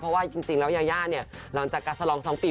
เพราะว่าเราเจอโควิด